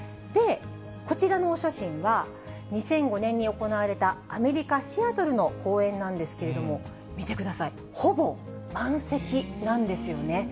こちらのお写真は、２００５年に行われたアメリカ・シアトルの公演なんですけれども、見てください、ほぼ満席なんですよね。